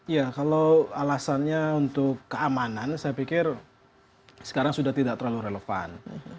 ya kalau alasannya untuk keamanan saya pikir sekarang sudah tidak terlalu relevan